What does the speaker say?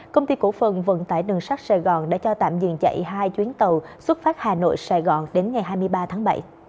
công ty cổ phần vận tải đường sắt sài gòn đã cho tạm dừng chạy hai chuyến tàu xuất phát hà nội sài gòn đến ngày hai mươi ba tháng bảy